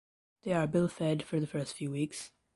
They are bill fed for the first few weeks.